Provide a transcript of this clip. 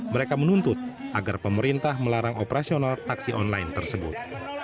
mereka menuntut agar pemerintah melarang operasional taksi online tersebut